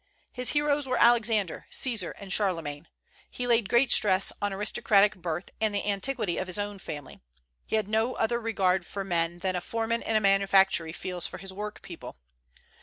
His heroes were Alexander, Caesar, and Charlemagne. He laid great stress on aristocratic birth and the antiquity of his own family. He had no other regard for men than a foreman in a manufactory feels for his work people.